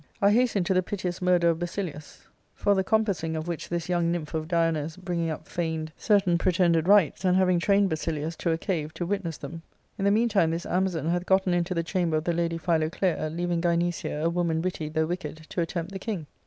I hasten to the piteous murder of Basilius, for the compassing of which this young nymph of Diana's bringing up feigned certain pretended 464 ARCADIA, Book K rites, and having trained* Basilius to a cave to witness them, in ,the meantime this Amazon hath gotten into the chamber of the lady Philoclea, leaving Gynecia, a woman witty though wicked, to attempt the king.